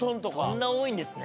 そんなおおいんですね。